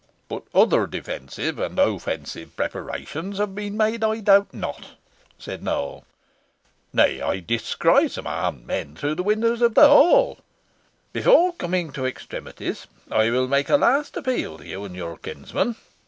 "But other defensive and offensive preparations have been made, I doubt not," said Nowell; "nay, I descry some armed men through the windows of the hall. Before coming to extremities, I will make a last appeal to you and your kinsman.